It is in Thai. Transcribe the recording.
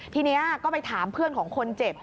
ทีนี้ก็ไปถามเพื่อนของคนเจ็บ